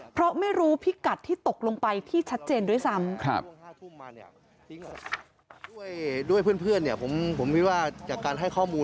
เพราะไม่รู้พิกัดที่ตกลงไปที่ชัดเจนด้วยซ้ำ